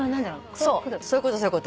そうそういうことそういうこと。